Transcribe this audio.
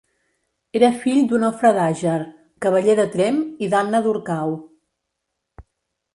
Era fill d'Onofre d'Àger, cavaller de Tremp, i d'Anna d'Orcau.